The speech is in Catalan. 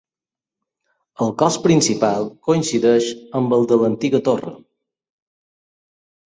El cos principal coincideix amb el de l'antiga torre.